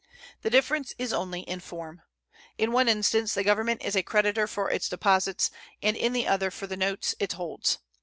The difference is only in form. In one instance the Government is a creditor for its deposits, and in the other for the notes it holds.